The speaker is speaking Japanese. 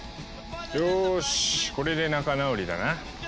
よしこれで仲直りだな。